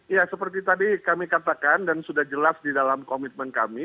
ya seperti tadi kami katakan dan sudah jelas di dalam komitmen kami